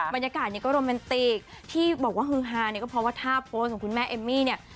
บรรยากาศเนี่ยก็โรแมนติกที่บอกว่าฮือฮาเนี่ยก็เพราะว่าท่าโพสต์ของคุณแม่เอมมี่เนี่ย